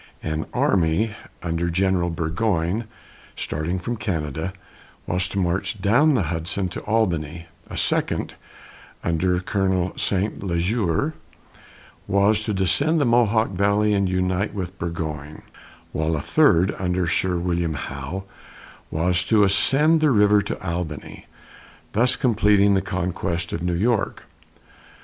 An army under General Burgoyne, starting from Canada, was to march down the Hudson to Albany; a second, under Colonel Saint Leger, was to descend the Mohawk valley and unite with Burgoyne; while a third, under Sir William Howe, was to ascend the river to Albany, thus completing the conquest of New York.